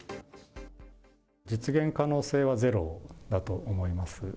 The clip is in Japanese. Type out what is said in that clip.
実現可能性はゼロだと思います。